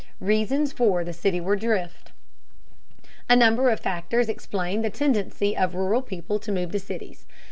REASONS FOR THE CITYWARD DRIFT. A number of factors explain the tendency of rural people to move to the cities.